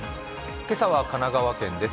今朝は神奈川県です。